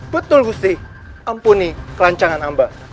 betul gusri ampuni kelancangan amba